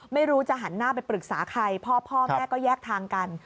ไม่รู้จะหันหน้าไปปรึกษาใครพ่อแม่ก็แยกทางกัน